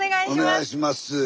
お願いします。